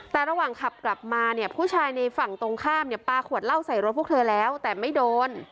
แต่ระหว่างขับกลับมาเนี่ยผู้ชายในฝั่งตรงข้ามเนี่ยปลาขวดเหล้าใส่รถพวกเธอแล้วแต่ไม่โดน